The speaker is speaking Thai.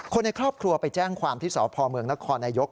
คนในครอบครัวไปแจ้งความที่สพเมืองนครนายก